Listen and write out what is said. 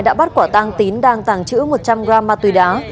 đã bắt quả tàng tín đang tàng trữ một trăm linh g ma túy đá